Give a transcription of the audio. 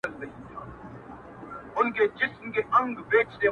لمن دي نيسه چي په اوښكو يې در ډكه كړمه.